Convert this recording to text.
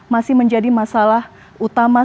masih menjadi masalah utama